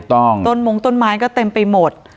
ต้นมงต้นไม้ก็เต็มไปหมด